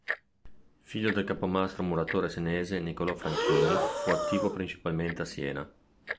Figlio del capomastro muratore senese Nicolò Franchini, fu attivo principalmente a Siena.